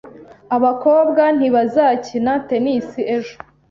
Abakobwa ntibazakina tennis ejo.